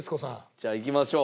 じゃあいきましょう。